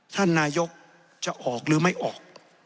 ท่านนายกจะออกหรือไม่ออก